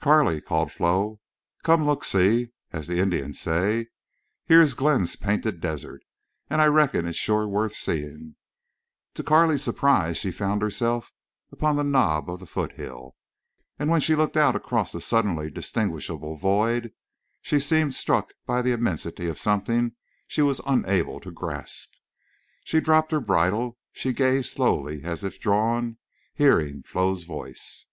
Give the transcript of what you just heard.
"Carley," called Flo, "come—looksee, as the Indians say. Here is Glenn's Painted Desert, and I reckon it's shore worth seeing." To Carley's surprise, she found herself upon the knob of the foothill. And when she looked out across a suddenly distinguishable void she seemed struck by the immensity of something she was unable to grasp. She dropped her bridle; she gazed slowly, as if drawn, hearing Flo's voice.